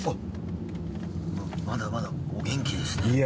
まだまだお元気ですね。